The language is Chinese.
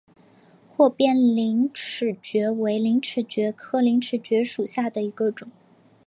阔边陵齿蕨为陵齿蕨科陵齿蕨属下的一个种。